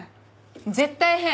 絶対変！